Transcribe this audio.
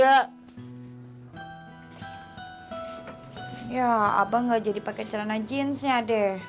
ya ya ya abang ga jadi pake celana jeans nya deh